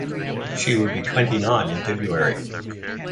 She would be twenty-nine in February.